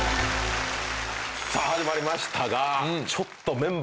さあ始まりましたがちょっと。